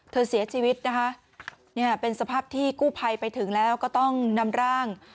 เสียชีวิตนะคะเนี่ยเป็นสภาพที่กู้ภัยไปถึงแล้วก็ต้องนำร่าง